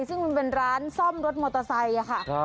ซึ่งมันเป็นร้านซ่อมรถมอเตอร์ไซค์ค่ะ